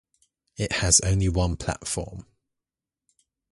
It has only one platform.